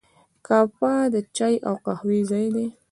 کافه د چای او قهوې ځای دی.